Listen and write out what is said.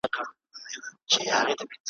په غلطه پر هغه تور د رغل ږدي.